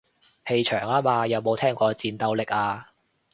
氣場吖嘛，有冇聽過戰鬥力啊